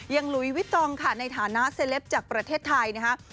หลุยวิตองค่ะในฐานะเซลปจากประเทศไทยนะคะ